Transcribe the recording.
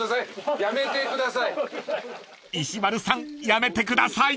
［石丸さんやめてください！］